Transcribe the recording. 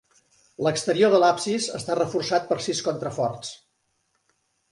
L'exterior de l'absis està reforçat per sis contraforts.